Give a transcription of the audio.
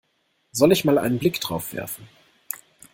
Soll ich mal einen Blick drauf werfen?